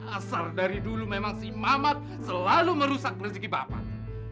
asal dari dulu memang si mamat selalu merusak rezeki bapak